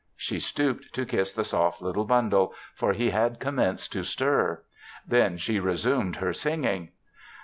She stooped to kiss the soft little bundle, for he had commenced to stir. Then she resumed her singing.